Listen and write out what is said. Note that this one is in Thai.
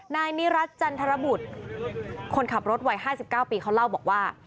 นายนิรัติจันทรบุตรคนขับรถวัย๕๙ปีเขาเล่าบอกว่า